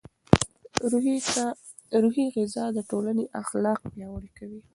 روحي غذا د ټولنې اخلاق پیاوړي کوي.